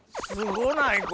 すごない？